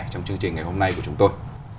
trong chương trình ngày hôm nay của chúng tôi